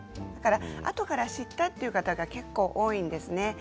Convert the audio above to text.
あとから知ったという方が結構、多いんですね。